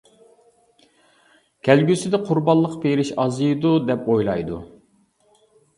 كەلگۈسىدە قۇربانلىق بېرىش ئازىيىدۇ دەپ ئويلايدۇ.